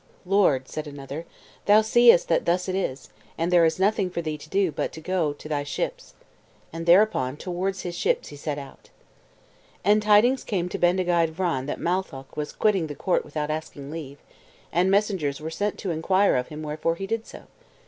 "Lord," said another, "thou seest that thus it is, and there is nothing for thee to do but to go to thy ships." And thereupon towards his ships he set out. And tidings came to Bendigeid Vran that Matholch was quitting the court without asking leave, and messengers were sent to inquire of him wherefore he did so.